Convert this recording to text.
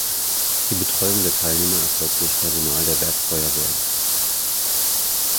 Die Betreuung der Teilnehmer erfolgt durch Personal der Werkfeuerwehr.